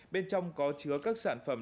bên trong có chứa các sản phẩm